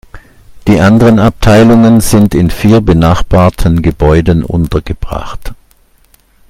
Die anderen Abteilungen sind in vier benachbarten Gebäuden untergebracht.